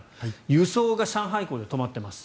輸送が上海港で止まっています。